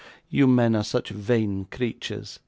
you men are such vain creatures!